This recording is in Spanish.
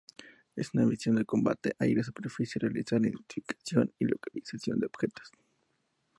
En una misión de combate "Aire-superficie", realiza identificación y localización de objetivos.